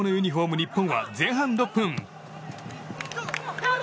日本は前半６分。